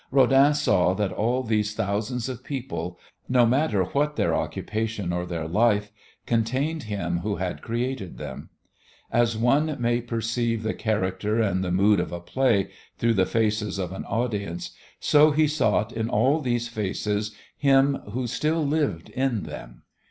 Rodin saw that all these thousands of people, no matter what their occupation or their life, contained him who had created them. As one may perceive the character and the mood of a play through the faces of an audience, so he sought in all these faces him who still lived in them.